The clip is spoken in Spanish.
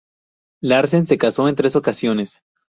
Larsen se casó en tres ocasiones.